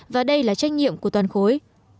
và đây là trách nhiệm của toàn khối